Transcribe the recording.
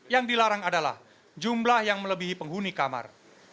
yang dilarang adalah jumlah yang melebihi penghuni kamar